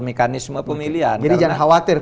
mekanisme pemilihan jadi jangan khawatir